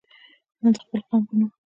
نه د خپل قوم په نوم.